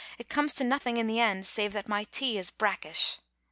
It comes to nothing in the end, save that my tea is brackish.